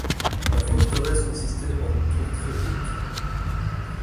La forteresse consistait en une tour très haute.